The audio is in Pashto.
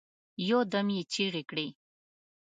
یو دم یې چیغي کړې